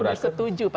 kita semua bisa setuju